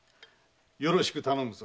よろしく頼むぞ。